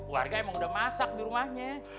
warga emang udah masak di rumahnya